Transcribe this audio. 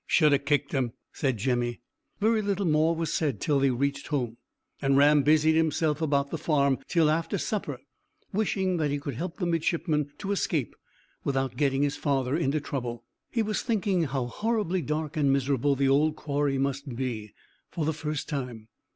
"Should ha' kicked him," said Jemmy. Very little more was said till they reached home, and Ram busied himself about the farm till after supper, wishing that he could help the midshipman to escape without getting his father into trouble. He was thinking how horribly dark and miserable the old quarry must be, for the first time.